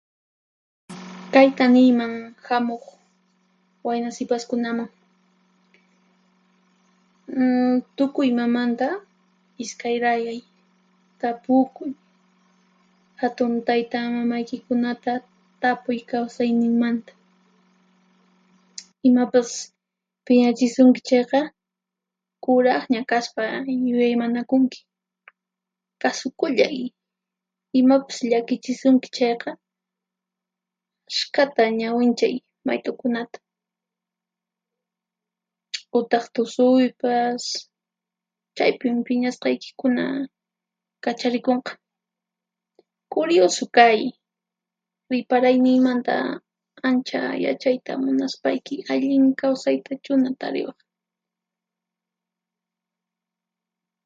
Kayta niyman hamuq waynasipaskunaman: Tukuy imamanta ishkayrayay, tapukuy, hatun tayta mamaykikunata tapuy kawsayninmanta. Imapas phiñachisunki chayqa, kuraqña kaspa yuyaymanakunki. Kasukullay! Imapas llakichisunki chayqa, ashkhata ñawinchay mayt'ukunata, utaq tusuypas, chaypin phiñasqaykikuna kacharikunqa. Kuriyusu kay, riparayniymanta ancha yachayta munaspayki allin kawsayta chuna tariwaq.